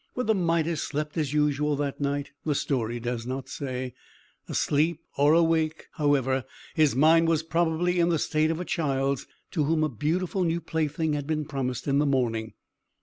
Whether Midas slept as usual that night, the story does not say. Asleep or awake, however, his mind was probably in the state of a child's, to whom a beautiful new plaything has been promised in the morning.